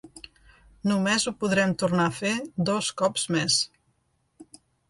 Només ho podrem tornar a fer dos cops més